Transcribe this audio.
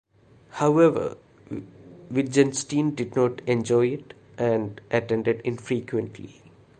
However, Wittgenstein did not enjoy it and attended infrequently.